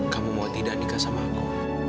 kamu mau tidak nikah sama aku